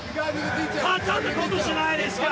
簡単なことじゃないですか。